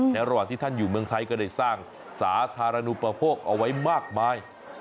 ระหว่างที่ท่านอยู่เมืองไทยก็ได้สร้างสาธารณูปโภคเอาไว้มากมาย